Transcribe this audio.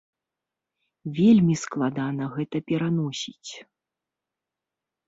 Вельмі складана гэта пераносіць.